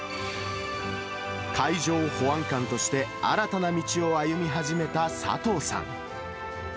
海上保安官として新たな道を歩み始めた佐藤さん。